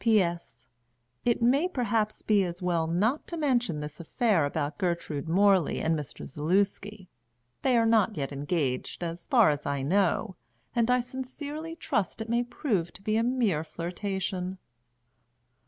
"P.S. It may perhaps be as well not to mention this affair about Gertrude Morley and Mr. Zaluski. They are not yet engaged, as far as I know, and I sincerely trust it may prove to be a mere flirtation."